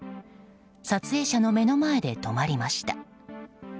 撮影者の目の前で止まりました。